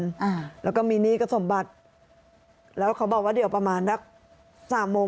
อ่าแล้วก็มีหนี้กับสมบัติแล้วเขาบอกว่าเดี๋ยวประมาณสักสามโมง